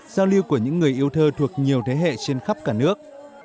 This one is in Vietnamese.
giao lưu của những người yêu thơ thuộc nhiều thế hệ trên khắp cả nước